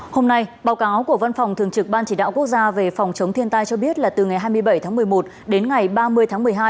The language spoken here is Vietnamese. hôm nay báo cáo của văn phòng thường trực ban chỉ đạo quốc gia về phòng chống thiên tai cho biết là từ ngày hai mươi bảy tháng một mươi một đến ngày ba mươi tháng một mươi hai